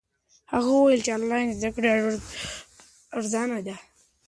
هغه وایي چې آنلاین زده کړه ارزانه ده.